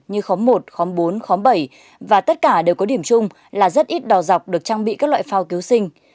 như khóm một khóm bốn khóm bảy và tất cả đều có điểm chung là rất ít đò dọc được trang bị các loại phao cứu sinh